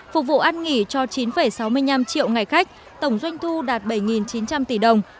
phục vụ ăn nghỉ cho chín sáu mươi năm triệu ngày khách tổng doanh thu đạt bảy chín trăm linh tỷ đồng